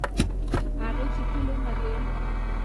هغـې چـې ټـول عـمر يـې